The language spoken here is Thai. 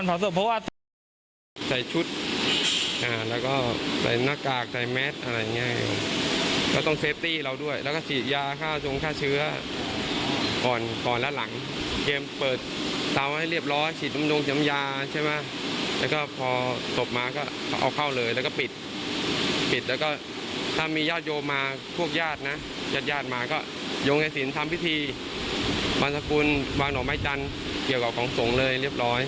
ปิดแล้วก็ถ้ามีญาติโยมาพวกญาตินะญาติมาก็ยงให้สินทำพิธีบรรทคุณวางหน่อไม้จันทร์เหลือกับของส่งเลยเรียบร้อย